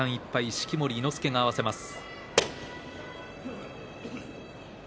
式守伊之助が合わせます。